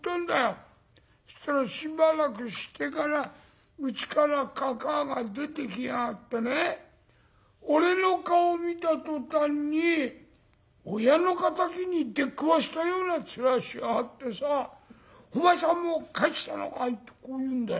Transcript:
そしたらしばらくしてからうちからかかあが出てきやがってね俺の顔見た途端に親の敵に出くわしたような面しやがってさ『お前さんもう帰ってきたのかい？』とこう言うんだよ。